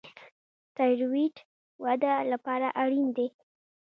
تایرویډ وده لپاره اړین دی.